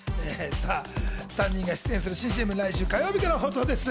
３人が出演する新ＣＭは来週火曜日から放送です。